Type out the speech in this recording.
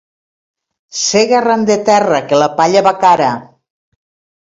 Sega arran de terra, que la palla va cara.